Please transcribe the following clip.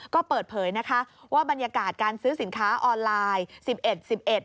ก็เปิดเผยว่าบรรยากาศการซื้อสินค้าออนไลน์